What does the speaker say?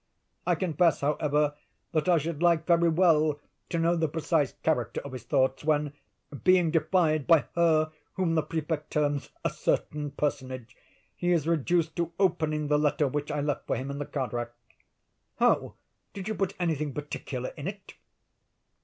I confess, however, that I should like very well to know the precise character of his thoughts, when, being defied by her whom the Prefect terms 'a certain personage' he is reduced to opening the letter which I left for him in the card rack." "How? did you put any thing particular in it?"